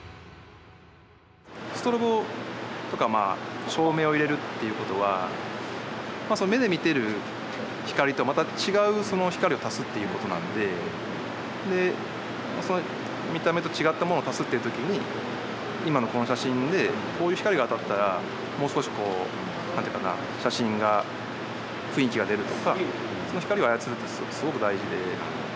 ストロボとかまあ照明を入れるっていうことはまあその目で見てる光とまた違う光を足すっていうことなんでで見た目と違ったものを足すっていう時に今のこの写真でこういう光が当たったらもう少しこう何ていうかな写真が雰囲気が出るとかその光を操るってすごく大事で。